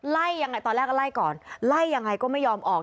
ไล่ยังไงตอนแรกก็ไล่ก่อนไล่ยังไงก็ไม่ยอมออก